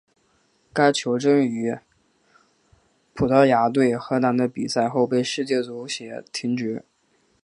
该球证于葡萄牙对荷兰的比赛后被世界足协停职。